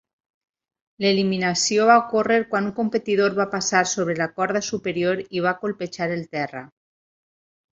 L'eliminació va ocórrer quan un competidor va passar sobre la corda superior i va colpejar el terra.